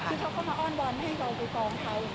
คือเขาก็มาอ้อนวอนให้เราไปกองเขา